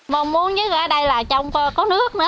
mà muốn chứ ở đây là trong có nước nữa